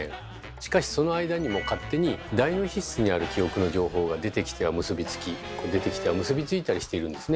しかしその間にも勝手に大脳皮質にある記憶の情報が出てきては結びつきこう出てきては結びついたりしているんですね。